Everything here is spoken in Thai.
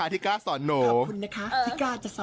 วันนี้เกี่ยวกับกองถ่ายเราจะมาอยู่กับว่าเขาเรียกว่าอะไรอ่ะนางแบบเหรอ